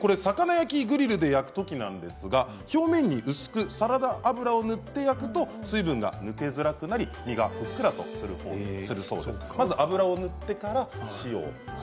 魚焼きグリルで焼くときですが表面に薄くサラダ油を塗って焼くと水分が抜けづらくなり身がふっくらするそうです。